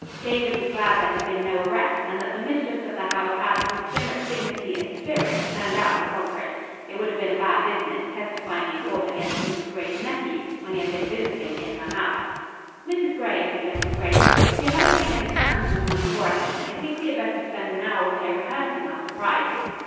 David was glad there had been no arrest, and that the mistress of the house had with so much dignity and spirit turned out the culprit. It would have been a bad business, testifying in court against Mrs. Gray's nephew when he had been visiting in her house. "Mrs. Gray," suggested Grace, "if you haven't made any plans this morning for us, I think we had better spend an hour or so rehearsing our surprise."